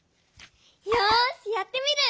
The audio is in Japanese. よしやってみる！